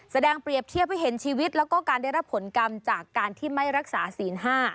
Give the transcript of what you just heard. เปรียบเทียบให้เห็นชีวิตแล้วก็การได้รับผลกรรมจากการที่ไม่รักษาศีล๕